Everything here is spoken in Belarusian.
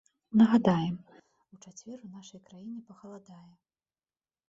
Нагадаем, у чацвер у нашай краіне пахаладае.